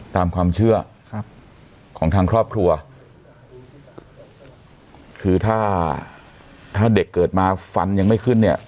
ตามความเชื่อครับของทางครอบครัวคือถ้าถ้าเด็กเกิดมาฟันยังไม่ขึ้นเนี่ย